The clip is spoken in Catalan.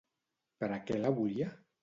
Per a què la volia?